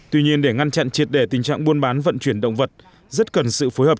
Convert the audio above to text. tuy nhiên để ngăn chặn triệt để tình trạng buôn bán vận chuyển động vật rất cần sự phối hợp